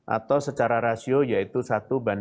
atau secara langsung sekitar satu orang